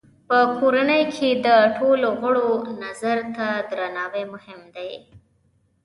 په کورنۍ کې د ټولو غړو نظر ته درناوی مهم دی.